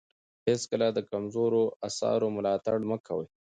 هېڅکله د کمزورو اثارو ملاتړ مه کوئ.